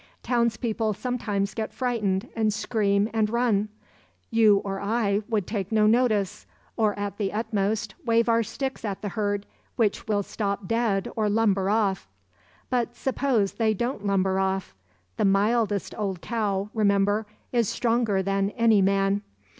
Townspeople sometimes get frightened and scream and run; you or I would take no notice, or at the utmost, wave our sticks at the herd, which will stop dead or lumber off. But suppose they don't lumber off. The mildest old cow, remember, is stronger than any man.